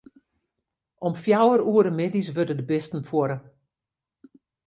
Om fjouwer oere middeis wurde de bisten fuorre.